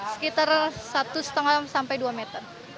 sekitar satu lima sampai dua meter